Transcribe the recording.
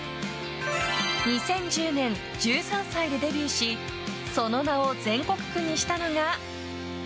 ２０１０年、１３歳でデビューしその名を全国区にしたのが。